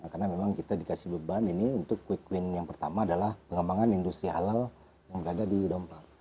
karena memang kita dikasih beban ini untuk quick win yang pertama adalah pengembangan industri halal yang berada di dompa